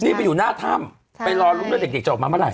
นี่ไปอยู่หน้าถ้ำไปรอลุ้นแล้วเด็กจะออกมาเมื่อไห